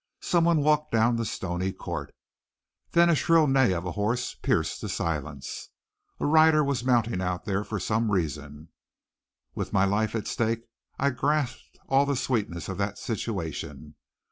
Some one walked down the stony court. Then a shrill neigh of a horse pierced the silence. A rider was mounting out there for some reason. With my life at stake I grasped all the sweetness of that situation.